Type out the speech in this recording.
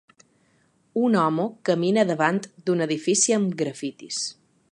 Un home camina davant d'un edifici amb grafitis.